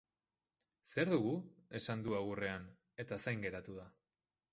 Zer dugu? Esan du agurrean, eta zain geratu da.